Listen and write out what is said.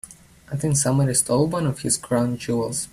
I think somebody stole one of his crown jewels.